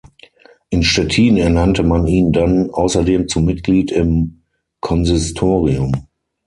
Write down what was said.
In Stettin ernannte man ihn dann außerdem zum Mitglied im Konsistorium.